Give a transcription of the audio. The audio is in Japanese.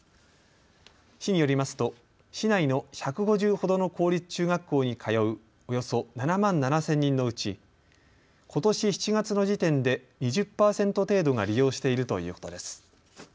市によりますと市内の１５０ほどの公立中学校に通うおよそ７万７０００人のうちことし７月の時点で２０％程度が利用しているということです。